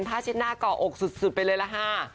ผ้าเช็ดหน้าก่ออกสุดไปเลยละฮะ